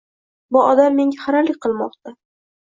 Bu odam menga xiralik qilmoqda.